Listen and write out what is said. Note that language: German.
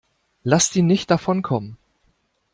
Lasst ihn nicht davonkommen!